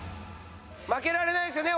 負けられないですよね